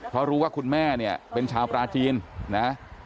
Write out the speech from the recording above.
เพราะรู้ว่าคุณแม่เนี่ยเป็นชาวปลาจีนนะ